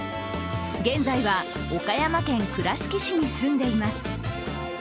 現在は岡山県倉敷市に住んでいます。